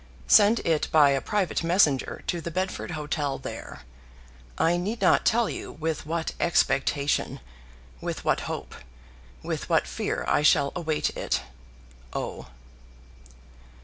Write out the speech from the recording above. Send it by a private messenger to the Bedford Hotel there. I need not tell you with what expectation, with what hope, with what fear I shall await it. O."